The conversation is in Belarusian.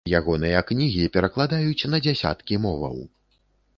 Ягоныя кнігі перакладаюць на дзясяткі моваў.